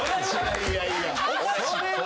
いやいや。